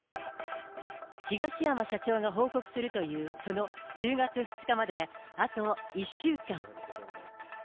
東山社長が報告するという、その１０月２日まで、あと１週間。